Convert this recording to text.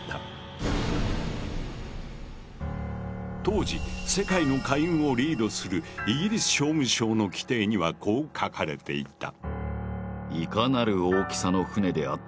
当時世界の海運をリードするイギリス商務省の規定にはこう書かれていた。